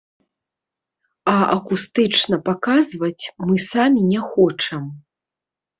А акустычна паказваць мы самі не хочам.